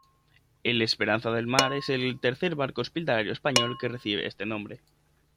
El "Esperanza del Mar" es el tercer barco hospitalario español que recibe este nombre.